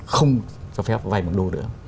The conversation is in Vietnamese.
không cho phép vay bằng đồ nữa